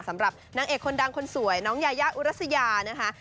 สำหรับนางเอกคนดังคนสวยน้องยายาอุรัสยานะคะ